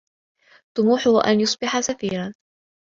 طموحه أن يصبح سفيرا.